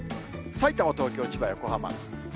さいたま、東京、千葉、横浜。